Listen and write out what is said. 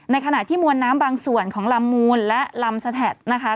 ขณะที่มวลน้ำบางส่วนของลำมูลและลำสะแท็ดนะคะ